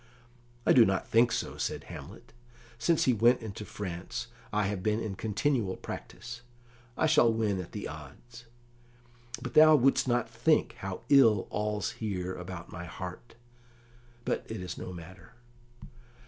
"I do not think so," said Hamlet. "Since he went into France I have been in continual practice. I shall win at the odds. But thou wouldst not think how ill all's here about my heart; but it is no matter."